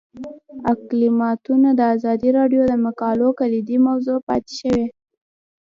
اقلیتونه د ازادي راډیو د مقالو کلیدي موضوع پاتې شوی.